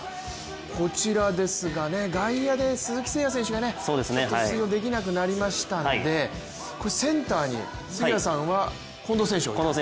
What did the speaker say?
こちら、外野で鈴木誠也選手が出場できなくなりましたんでセンターに杉谷さんは近藤選手を置いた？